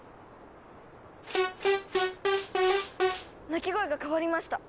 鳴き声が変わりました。